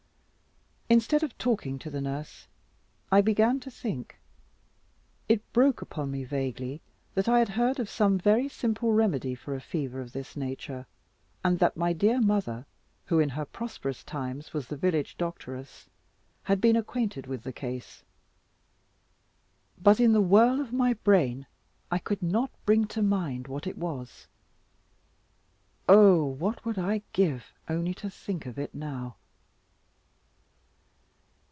Instead of talking to the nurse, I began to think. It broke upon me vaguely, that I had heard of some very simple remedy for a fever of this nature, and that my dear mother, who in her prosperous times was the village doctoress, had been acquainted with the case. But in the whirl of my brain, I could not bring to mind what it was. Oh what would I give, only to think of it now!